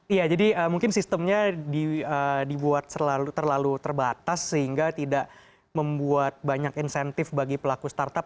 iya jadi mungkin sistemnya dibuat terlalu terbatas sehingga tidak membuat banyak insentif bagi pelaku startup